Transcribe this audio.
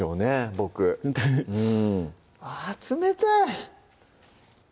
僕うんあ冷たい！